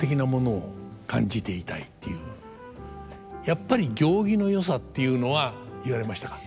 やっぱり行儀のよさっていうのは言われましたか？